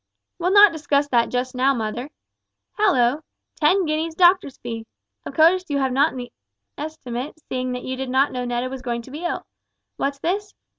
"We'll not discuss that just now, mother. Hallo! `ten guineas doctor's fee!' Of course you have not that in the estimate, seeing that you did not know Netta was going to be ill. What's this?